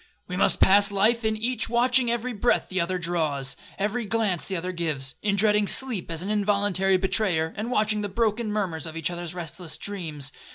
We must pass life in each watching every breath the other draws, every glance the other gives,—in dreading sleep as an involuntary betrayer, and watching the broken murmurs of each other's restless dreams.